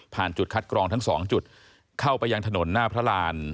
จุดคัดกรองทั้งสองจุดเข้าไปยังถนนหน้าพระราน